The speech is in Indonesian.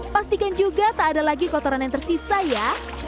pastikan juga tak ada lagi kotoran yang tersisa ya